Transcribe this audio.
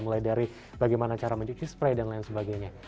mulai dari bagaimana cara mencuci spray dan lain sebagainya